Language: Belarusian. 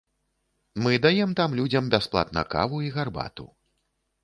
Мы даем там людзям бясплатна каву і гарбату.